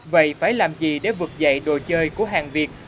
vậy phải làm gì để vực dậy đồ chơi của hàng việt